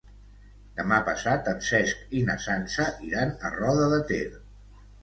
Demà passat en Cesc i na Sança iran a Roda de Ter.